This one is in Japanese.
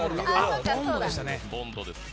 ボンドです。